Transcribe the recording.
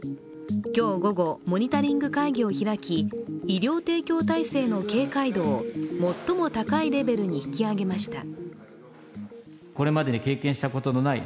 今日午後、モニタリング会議を開き医療提供体制の警戒度を、最も高いレベルに引き上げました。